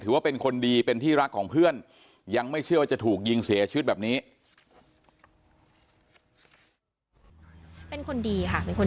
ถือว่าเป็นคนดีเป็นที่รักของเพื่อนยังไม่เชื่อว่าจะถูกยิงเสียชีวิตแบบนี้